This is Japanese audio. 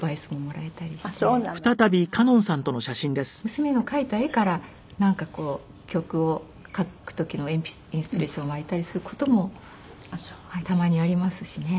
娘の描いた絵からなんかこう曲を書く時のインスピレーション湧いたりする事もたまにありますしね。